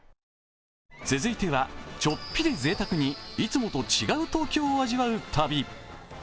続いては、ちょっぴりぜいたくにいつもと違う東京を味わう旅。